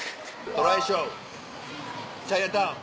トライショーチャイナタウン。